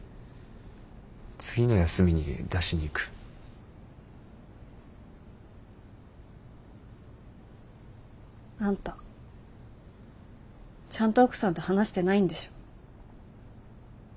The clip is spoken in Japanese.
次の休みに出しに行く。あんたちゃんと奥さんと話してないんでしょ。